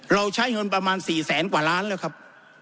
ใช้เงินประมาณ๔แสนกว่าล้านแล้วครับ